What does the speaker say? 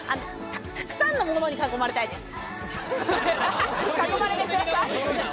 たくさんのものに囲まれたいです。